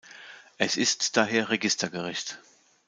Es ist daher Registergericht.